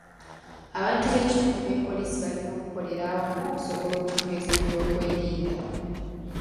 Abantu b'ekitundu ne poliisi balina okukolera awamu okusobola okunyweza eby'okwerinda.